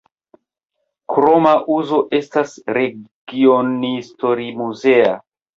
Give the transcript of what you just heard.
Kroma uzo estas regionhistorimuzea.